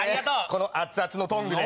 この熱々のトングで。